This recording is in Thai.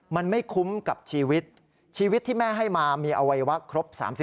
มันไม่คุ้มกับชีวิตชีวิตที่แม่ให้มามีอวัยวะครบ๓๐